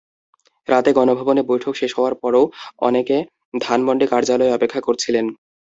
রাতে গণভবনে বৈঠক শেষ হওয়ার পরও অনেকে ধানমন্ডি কার্যালয়ে অপেক্ষা করছিলেন।